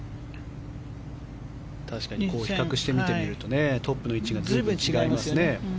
比較して見てみるとトップの位置が随分違いますね。